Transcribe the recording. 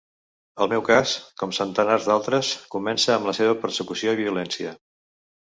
El meu cas, com centenars d’altres, comença amb la seva persecució i violència.